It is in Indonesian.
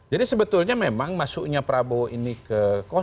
jadi sebetulnya memang masuknya prabowo ini ke satu